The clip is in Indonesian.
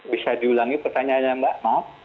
bisa diulangi pertanyaannya mbak maaf